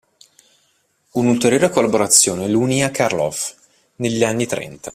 Un'ulteriore collaborazione lo unì a Carl Orff negli anni trenta.